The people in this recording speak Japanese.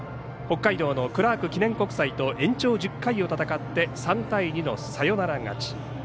北海道のクラーク記念国際と延長１０回を戦って３対２のサヨナラ勝ち。